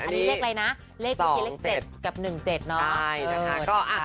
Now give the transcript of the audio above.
อันนี้เลขอะไรนะสองเจ็ดกับหนึ่งเจ็ดใช่ใช่ค่ะเออจังหา